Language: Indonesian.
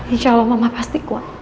insya allah mama pasti kuat